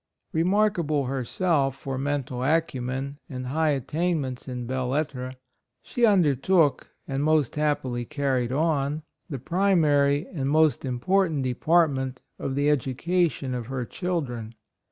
Remarkable herself for mental acumen and high attain ments in belles lettres, she under took, and most happily carried on the primary and most important department of the education of her children.